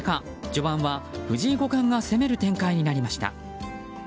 序盤は藤井五冠が攻める展開になりました。